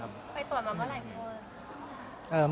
ไปตรวจมาเมื่อกี้วัน